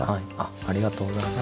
ありがとうございます。